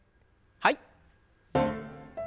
はい。